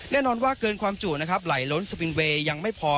แน่นอนว่าเกินความจู่นะครับไหลล้นสปินเวย์ยังไม่พอ